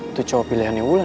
itu cowok pilihannya wulan ya